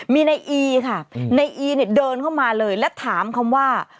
มีในอีค่ะในอีเนี่ยเดินเข้ามาเลยและถามคำว่า